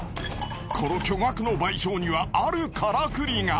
この巨額の賠償にはあるカラクリが。